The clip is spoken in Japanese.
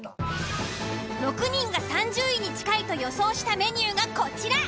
６人が３０位に近いと予想したメニューがこちら。